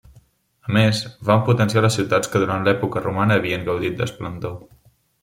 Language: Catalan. A més, van potenciar les ciutats que durant l'època romana havien gaudit d'esplendor.